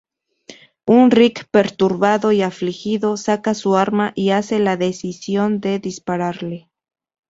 Un Rick perturbado y afligido saca su arma y hace la decisión de dispararle.